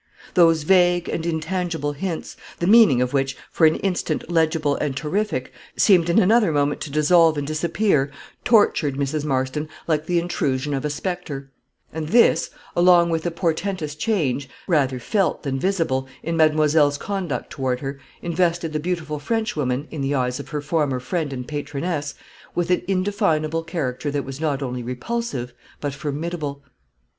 Those vague and intangible hints, the meaning of which, for an instant legible and terrific, seemed in another moment to dissolve and disappear, tortured Mrs. Marston like the intrusion of a specter; and this, along with the portentous change, rather felt than visible, in mademoiselle's conduct toward her, invested the beautiful Frenchwoman, in the eyes of her former friend and patroness, with an indefinable character that was not only repulsive but formidable.